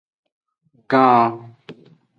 Gan.